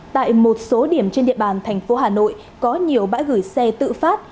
tại một số điểm trên địa bàn thành phố hà nội có nhiều bãi gửi xe tự phát